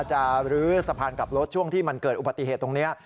ลื้อสะพานกลับรถช่วงที่มันเกิดอุบัติเหตุตรงนี้